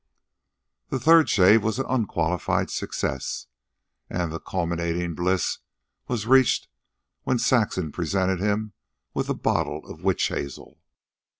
The third shave was an unqualified success, and the culminating bliss was reached when Saxon presented him with a bottle of witch hazel.